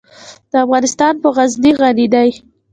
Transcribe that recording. افغانستان په غزني غني دی.